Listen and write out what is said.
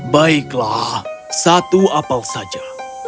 baiklah satu apel saja